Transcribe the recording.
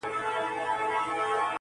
نه معلوم یې چاته لوری نه یې څرک سو-